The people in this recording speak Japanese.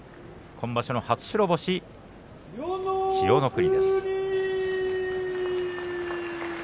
今場所の初白星の千代の国。